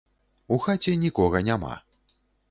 У хаце нікога няма.